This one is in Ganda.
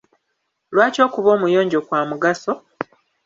Lwaki okuba omuyonjo kwa mugaso?